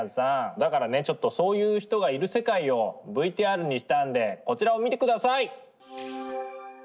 だからねちょっとそういう人がいる世界をＶＴＲにしたんでこちらを見てください！